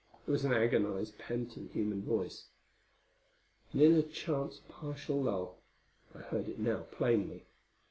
It was an agonized, panting, human voice. And in a chance, partial lull I heard it now plainly.